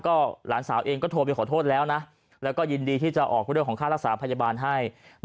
ก็หลานสาวเองก็โทรไปขอโทษแล้วนะแล้วก็ยินดีที่จะออกเรื่องของค่ารักษาพยาบาลให้